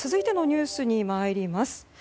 続いてのニュースに参ります。